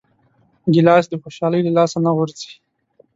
ګیلاس د خوشحالۍ له لاسه نه غورځي.